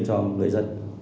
cho người dân